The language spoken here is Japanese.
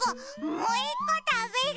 もういっこたべる！